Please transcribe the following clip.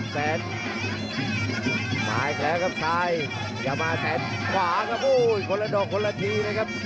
แสนมาอีกแล้วครับซ้ายอย่ามาแสนขวาครับโอ้ยคนละดอกคนละทีนะครับ